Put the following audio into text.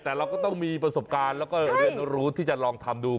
แต่เราก็ต้องมีประสบการณ์แล้วก็เรียนรู้ที่จะลองทำดู